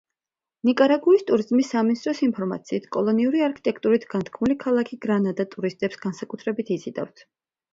ნიკარაგუის ტურიზმის სამინისტროს ინფორმაციით კოლონიური არქიტექტურით განთქმული ქალაქი გრანადა ტურისტებს განსაკუთრებით იზიდავთ.